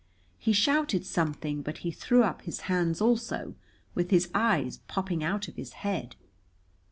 He shouted something, but he threw up his hands also, with his eyes popping out of his head.